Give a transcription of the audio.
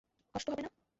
কষ্ট হবে না?